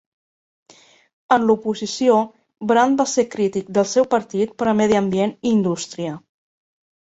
En l'oposició, Brand va ser crític del seu partit per a Medi Ambient i Indústria.